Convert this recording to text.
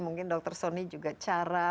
mungkin dr soni juga cara